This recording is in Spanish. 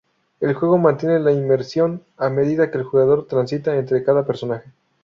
El juego mantiene la inmersión a medida que el jugador transita entre cada personaje.